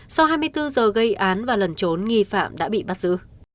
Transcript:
sau hai mươi bốn giờ gây án và lẩn trốn nghi phạm đã bị bắt giữ